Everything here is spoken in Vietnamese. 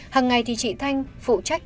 hằng ngày thì chị thanh phụ trách